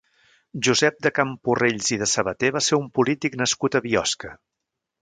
Josep de Camporrells i de Sabater va ser un polític nascut a Biosca.